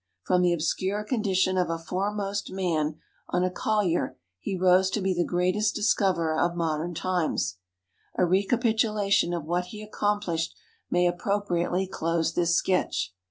From the obscure condition of a foremast man on a colHer he rose to be the greatest discoverer of modern times. A recapitulation of what he accompHshed may appropriately close this sketch.